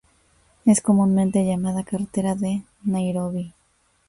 Es comúnmente llamada carretera de Nairobi.